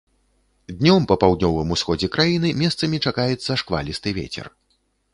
Днём па паўднёвым усходзе краіны месцамі чакаецца шквалісты вецер.